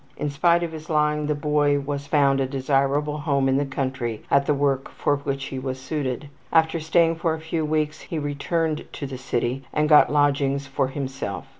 In spite of his lying the boy was found a desirable home in the country at the work for which he was suited. After staying for a few weeks he returned to the city and got lodgings for himself.